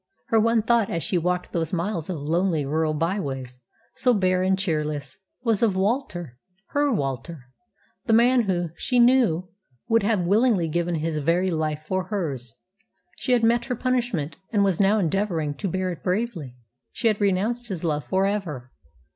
Her one thought, as she walked those miles of lonely rural byways, so bare and cheerless, was of Walter her Walter the man who, she knew, would have willingly given his very life for hers. She had met her just punishment, and was now endeavouring to bear it bravely. She had renounced his love for ever.